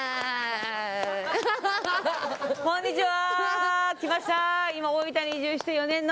こんにちは。